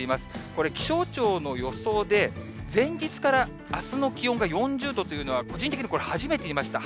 これ、気象庁の予想で、前日からあすの気温が４０度というのは、個人的に、これ初めて見ました。